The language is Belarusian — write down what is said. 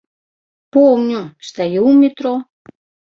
Помню, стаю ў метро.